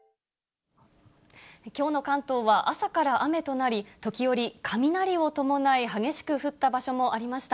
きょうの関東は朝から雨となり、時折、雷を伴い激しく降った場所もありました。